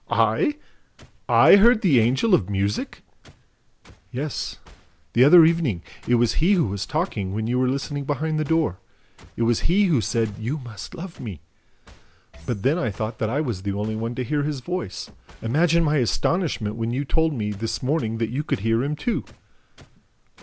"I? I heard the Angel of Music?" "Yes, the other evening, it was he who was talking when you were listening behind the door. It was he who said, 'You must love me.' But I then thought that I was the only one to hear his voice. Imagine my astonishment when you told me, this morning, that you could hear him too."